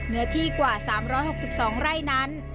เนื้อที่กว่า๓๖๒ไร่นั้น